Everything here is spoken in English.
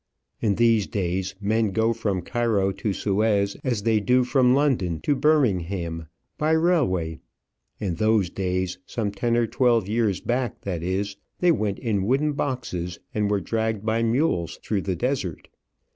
In these days men go from Cairo to Suez as they do from London to Birmingham by railway; in those days some ten or twelve years back, that is they went in wooden boxes, and were dragged by mules through the desert.